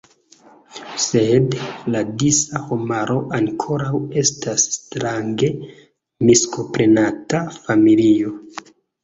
Sed la disa homaro ankoraŭ estas strange miskomprenata familio.